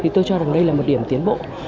tôi cho rằng đây là một điểm tiến bộ